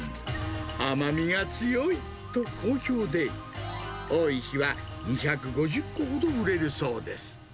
甘みが強いと好評で、多い日は２５０個ほど売れるそうです。